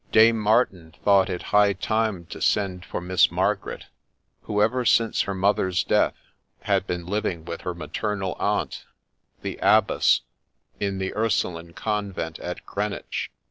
Dame Martin thought it high time to send for Miss Margaret, who, ever since her mother's death, had been living with her maternal aunt, the abbess, in the Ursuline convent at Greenwich.